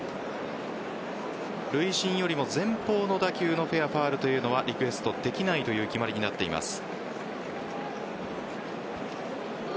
塁審よりも前方の打球のフェア、ファウルというのはリクエストできないという決まりになっています。